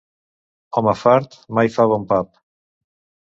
Home fart mai fa bon pap.